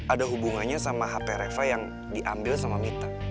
ada hubungannya sama hp reva yang diambil sama mita